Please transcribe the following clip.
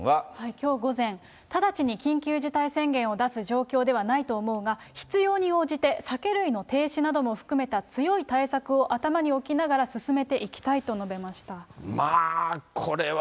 きょう午前、直ちに緊急事態宣言を出す状況ではないと思うが、必要に応じて酒類の停止なども含めた強い対策を頭に置きながら進まあ、これは